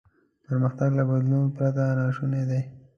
پرمختګ له بدلون پرته ناشونی دی.